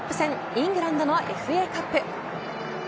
イングランドのＦＡカップ。